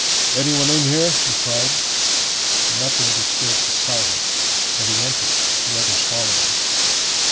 "Anyone in here?" he cried. Nothing disturbed the silence, and he entered, the others following.